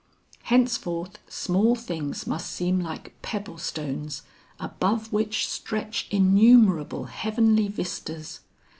Henceforth small things must seem like pebble stones above which stretch innumerable heavenly vistas.